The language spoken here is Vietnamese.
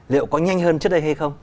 liệu có nhanh hơn trước đây hay không